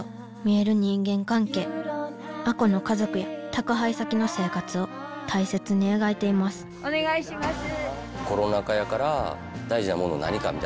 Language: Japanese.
亜子の家族や宅配先の生活を大切に描いていますお願いします。